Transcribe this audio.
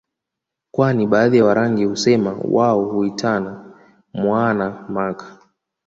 kwani baadhi ya Warangi husema wao huitana mwaana maka